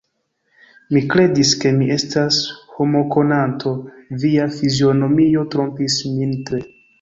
Mi kredis, ke mi estas homokonanto; via fizionomio trompis min tre.